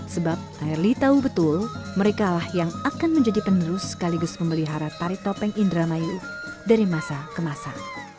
sebab airli tahu betul mereka lah yang akan menjadi penerus sekaligus memelihara tari topeng indramayu dari masa ke masa